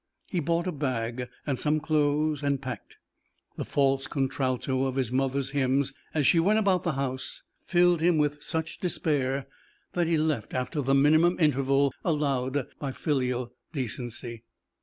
He bought a bag and some clothes and packed; the false contralto of his mother's hymns as she went about the house filled him with such despair that he left after the minimum interval allowed by filial decency.